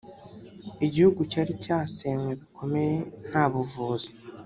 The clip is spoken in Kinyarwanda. igihugu cyari cyasenywe bikomeye nta buvuzi